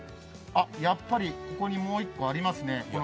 やっぱりここにもう１個ありますね。